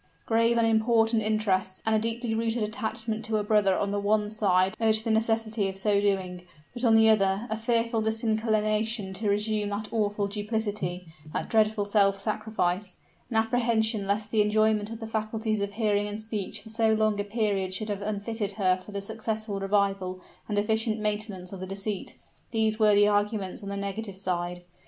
Grave and important interests and a deeply rooted attachment to her brother on the one side urged the necessity of so doing; but on the other, a fearful disinclination to resume that awful duplicity that dreadful self sacrifice, an apprehension lest the enjoyment of the faculties of hearing and speech for so long a period should have unfitted her for the successful revival and efficient maintenance of the deceit; these were the arguments on the negative side.